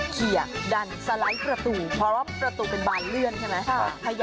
เพราะแป๊บเนี่ย